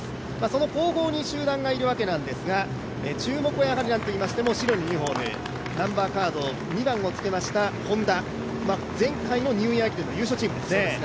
その後方に集団がいるわけですが、注目は、なんといいましても白のユニフォームナンバーカード２番をつけました本田前回のニューイヤー駅伝の優勝チームです。